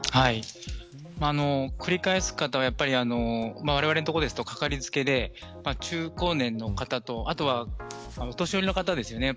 繰り返す方はわれわれの所ですとかかりつけで、中高年の方とあとは、お年寄りの方ですよね。